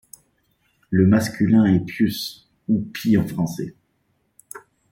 Le masculin est Pius, ou Pie en français.